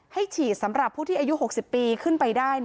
ฉีดสำหรับผู้ที่อายุ๖๐ปีขึ้นไปได้